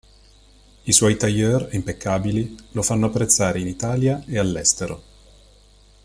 I suoi "tailleur", impeccabili, lo fanno apprezzare in Italia e all'estero.